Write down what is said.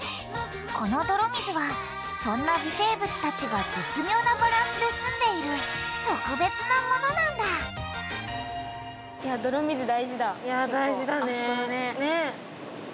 この泥水はそんな微生物たちが絶妙なバランスで住んでいる特別なものなんだいや大事だね。